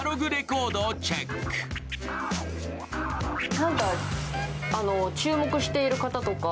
何か注目している方とか？